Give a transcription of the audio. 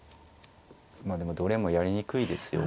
まあでもどれもやりにくいですよ。